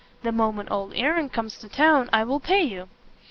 The moment old Aaron comes to town, I will pay you."